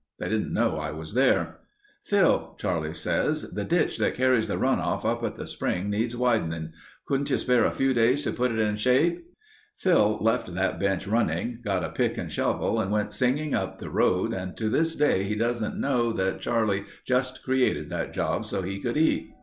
They didn't know I was there. 'Phil,' Charlie says, 'the ditch that carries the runoff up at the spring needs widening. Could you spare a few days to put it in shape?' "Phil left that bench running, got a pick and shovel and went singing up the road and to this day he doesn't know that Charlie just created that job so he could eat."